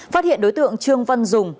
phát hiện đối tượng trương văn dùng